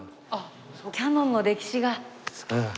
キヤノンの歴史が。